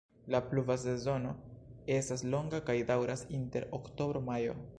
La pluva sezono estas longa kaj daŭras inter oktobro-majo.